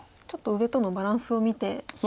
ちょっと上とのバランスを見て。